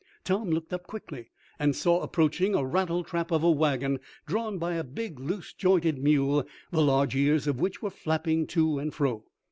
Tom looked up quickly, and saw approaching a rattletrap of a wagon, drawn by a big, loose jointed mule, the large ears of which were flapping to and fro.